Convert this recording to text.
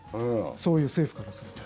そういう政府からすると。